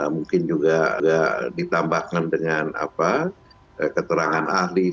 mungkin juga ditambahkan dengan keterangan ahli